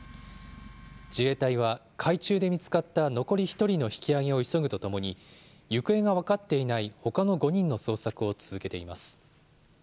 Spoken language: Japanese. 自衛隊は、海中で見つかった残り１人の引きあげを急ぐとともに、行方が分かっていないほかの５人の捜索を続けています。